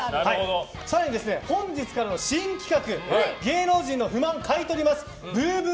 最後、本日からの新企画芸能人の不満買い取りますぶうぶう